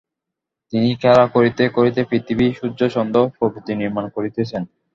তিনি খেলা করিতে করিতে পৃথিবী, সূর্য, চন্দ্র প্রভৃতি নির্মাণ করিতেছেন।